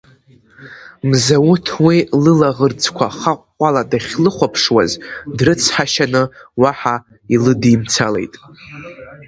Мзауҭ уи лылаӷырӡқәа хаҟәҟәала дахьлыхәаԥшуаз, дрыцҳашьаны, уаҳа илыдимцалеит.